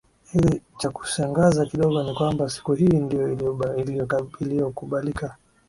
Ila chakushangaza kidogo ni kwamba siku hii ndio iliyokubalika